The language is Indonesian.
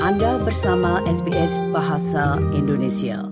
anda bersama sbs bahasa indonesia